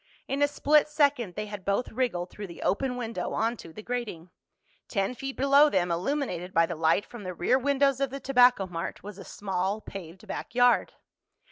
In a split second they had both wriggled through the open window onto the grating. Ten feet below them, illuminated by the light from the rear windows of the Tobacco Mart, was a small paved back yard.